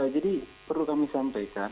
jadi perlu kami sampaikan